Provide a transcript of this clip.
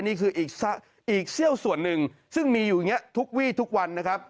นี่คืออีกเสี้ยวส่วนหนึ่งซึ่งมีอยู่อย่างนี้ทุกวี่ทุกวันนะครับ